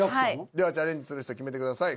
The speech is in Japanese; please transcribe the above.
ではチャレンジする人決めてください。